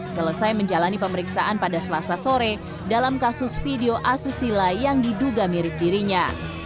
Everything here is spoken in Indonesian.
selesai menjalani pemeriksaan pada selasa sore dalam kasus video asusila yang diduga mirip dirinya